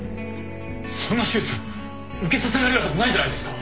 そんな手術受けさせられるはずないじゃないですか